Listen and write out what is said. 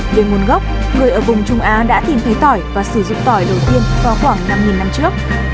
về nguồn gốc người ở vùng trung á đã tìm thấy tỏi và sử dụng tỏi đầu tiên vào khoảng năm năm trước